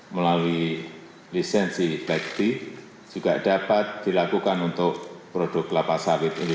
melalui lisensi bakti juga dapat dilakukan untuk produk kelapa sawit ini